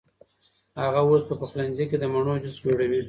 هغه اوس په پخلنځي کې د مڼو جوس جوړوي.